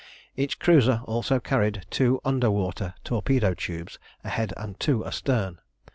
Each cruiser also carried two under water torpedo tubes ahead and two astern.